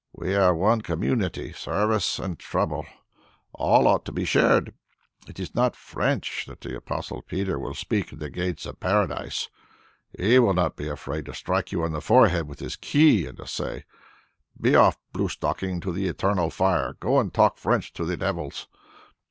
We are one community; service and trouble, all ought to be shared. It is not French that the Apostle Peter will speak at the gate of Paradise; he will not be afraid to strike you on the forehead with his key and to say, 'Be off, blue stocking, to the eternal fire; go and talk French to the devils.'